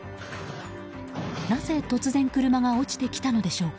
なぜ突然車が落ちてきたのでしょうか。